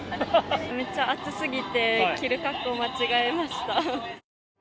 めっちゃ暑すぎて、着る格好、間違えました。